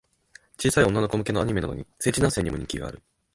小さい女の子向けのアニメなのに、成人男性にも人気ある